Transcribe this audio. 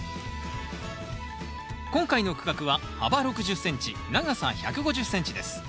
今回の区画は幅６０ｃｍ長さ１５０ｃｍです。